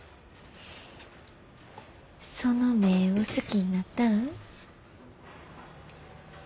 その目ぇを好きになったん？